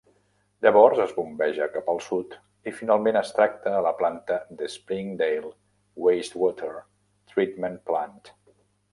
Llavors, es bombeja cap al sud i, finalment, es tracta a la planta de Springdale Wastewater Treatment Plant.